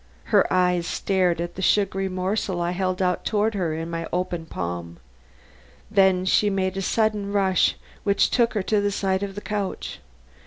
Her eyes stared at the sugary morsel I held out toward her in my open palm. Then she made a sudden rush which took her to the side of the couch.